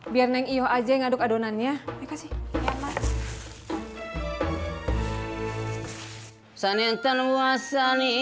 biar aku aja yang ngaduk adonannya